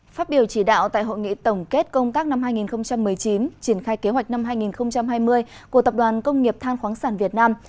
phát biểu chỉ đạo tại hội nghị tổng kết công tác năm hai nghìn một mươi chín triển khai kế hoạch năm hai nghìn hai mươi của tập đoàn công nghiệp than khoáng sản việt nam